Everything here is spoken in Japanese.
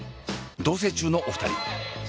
同棲中のお二人。